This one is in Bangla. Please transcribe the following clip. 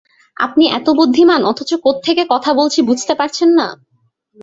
আপনি এত বুদ্ধিমান, অথচ কোত্থেকে কথা বলছি, বুঝতে পারছেন না?